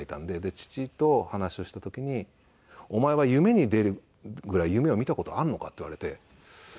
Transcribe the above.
で父と話をした時に「お前は夢に出るぐらい夢を見た事あるのか？」って言われて。